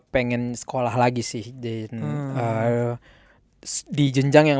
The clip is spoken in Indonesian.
berarti kan bisa dibilang